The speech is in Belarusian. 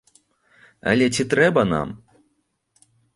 Але ці трэба нам?